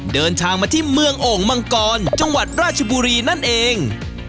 เดินทางมาที่เมืองโอ่งมังกรจังหวัดราชบุรีนั่นเอง